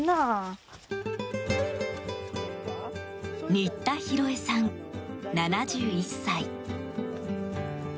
新田博枝さん、７１歳。